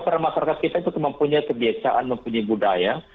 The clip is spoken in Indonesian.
karena masyarakat kita itu mempunyai kebiasaan mempunyai budaya